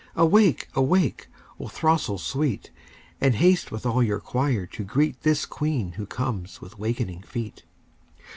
Awake! awake, O throstle sweet! And haste with all your choir to greet This Queen who comes with wakening feet.